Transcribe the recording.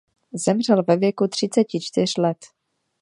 Zemřel ve věku třiceti čtyř let.